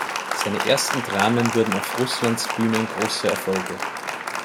Seine ersten Dramen wurden auf Russlands Bühnen große Erfolge.